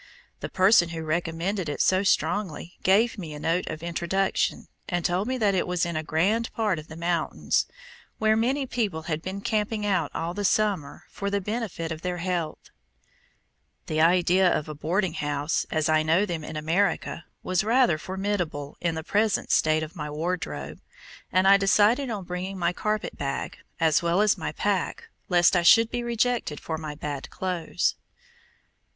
The person who recommended it so strongly gave me a note of introduction, and told me that it was in a grand part of the mountains, where many people had been camping out all the summer for the benefit of their health. The idea of a boarding house, as I know them in America, was rather formidable in the present state of my wardrobe, and I decided on bringing my carpet bag, as well as my pack, lest I should be rejected for my bad clothes.